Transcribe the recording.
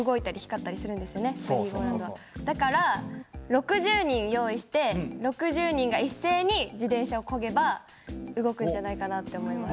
だから６０人用意して６０人がいっせいに自転車をこげば動くんじゃないかなって思います。